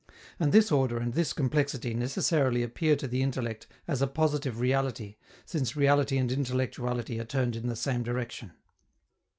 And this order and this complexity necessarily appear to the intellect as a positive reality, since reality and intellectuality are turned in the same direction.